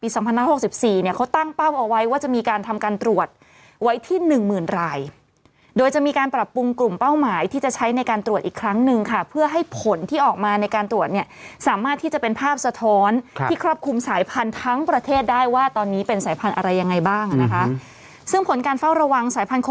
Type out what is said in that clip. สองพันห้าสิบสี่เนี่ยเขาตั้งเป้าเอาไว้ว่าจะมีการทำการตรวจไว้ที่หนึ่งหมื่นรายโดยจะมีการปรับปรุงกลุ่มเป้าหมายที่จะใช้ในการตรวจอีกครั้งหนึ่งค่ะเพื่อให้ผลที่ออกมาในการตรวจเนี่ยสามารถที่จะเป็นภาพสะท้อนที่ครอบคลุมสายพันธุ์ทั้งประเทศได้ว่าตอนนี้เป็นสายพันธุ์อะไรยังไงบ้างนะคะซึ่งผลการเฝ้าระวังสายพันธ